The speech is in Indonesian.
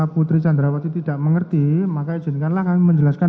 putri terlibat dalam kasus pembunuhan